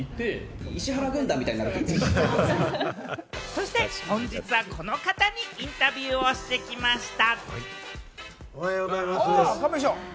そして本日はこの方にインタビューをしてきました。